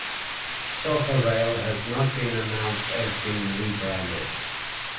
"Socorail" has not been announced as being rebranded.